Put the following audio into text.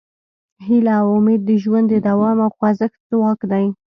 هیله او امید د ژوند د دوام او خوځښت ځواک دی.